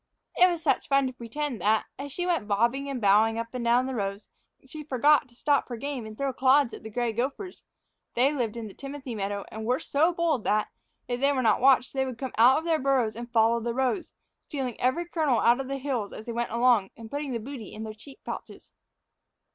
It was such fun to pretend that, as she went bobbing and bowing up and down the rows, she forgot to stop her game and throw clods at the gray gophers. They lived in the timothy meadow, and were so bold that, if they were not watched, they would come out of their burrows and follow the rows, stealing every kernel out of the hills as they went along and putting the booty in their cheek pouches.